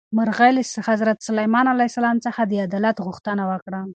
مرغۍ له حضرت سلیمان علیه السلام څخه د عدالت غوښتنه وکړه.